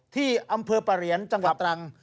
ที่อำเภอปะเหรียญจังหวัดตรัง